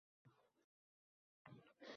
Аygʼoqchilar yoʼlga tikilar